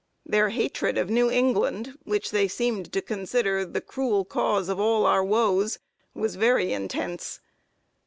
Their hatred of New England, which they seemed to consider "the cruel cause of all our woes," was very intense.